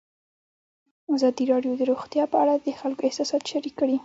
ازادي راډیو د روغتیا په اړه د خلکو احساسات شریک کړي.